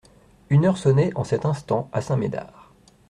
Une heure sonnait en cet instant à Saint-Médard.